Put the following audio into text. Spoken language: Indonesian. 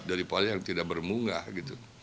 daripada yang tidak bermunggah gitu